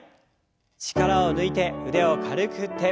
力を抜いて腕を軽く振って。